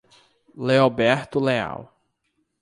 Leoberto Leal